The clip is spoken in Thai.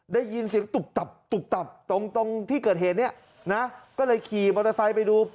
ได้ยินเสียงตุบตับตุบตับตรงตรงที่เกิดเหตุเนี่ยนะก็เลยขี่มอเตอร์ไซค์ไปดู